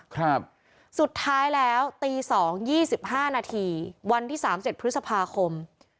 ครับสุดท้ายแล้วตีสองยี่สิบห้านาทีวันที่สามเจ็ดพฤษภาคม